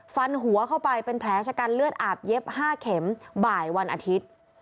ฟันหัวเข้าไปเป็นแผลชะกันเลือดอาบเย็บ๕เข็มบ่ายวันอาทิตย์